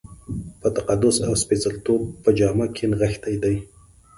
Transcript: په تقدس او سپېڅلتوب په جامه کې نغښتی دی.